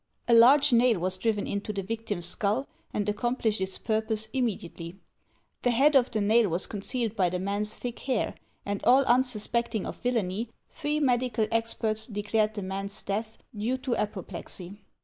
A large nail was driven into the victim's skull and accomplished its purpose imme diately. The head of the nail was concealed by the man's thick hair, and all unsuspecting of villainy, three medical experts declared the man's death due to apoplexy.